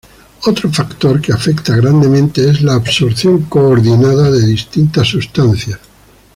Otro factor que afecta grandemente es la absorción coordinada de distintas sustancias.